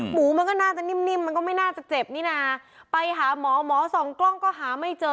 หมูมันก็น่าจะนิ่มมันก็ไม่น่าจะเจ็บนี่นะไปหาหมอหมอส่องกล้องก็หาไม่เจอ